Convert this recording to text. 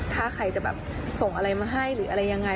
ถ้าใครจะแบบส่งอะไรมาให้หรืออะไรยังไง